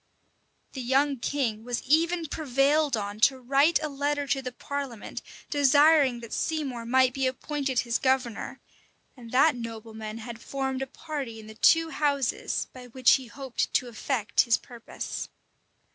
[*] The young king was even prevailed on to write a letter to the parliament desiring that Seymour might be appointed his governor; and that nobleman had formed a party in the two houses, by which he hoped to effect his purpose.